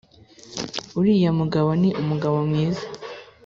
uriya mugabo ni umugabo mwiza